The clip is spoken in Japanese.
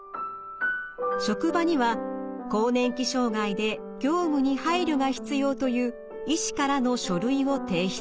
職場には更年期障害で業務に配慮が必要という医師からの書類を提出。